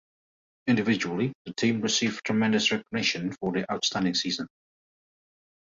Individually, the team received tremendous recognition for their outstanding season.